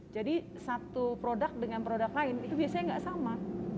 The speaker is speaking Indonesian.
jadi satu produk dengan produk lain itu biasanya enggak sama